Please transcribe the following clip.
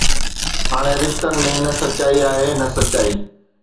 هاڻي رشتن ۾ نه سچائي آهي نه سچائي